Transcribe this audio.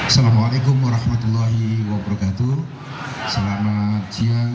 saya setelah keluar dari utweenya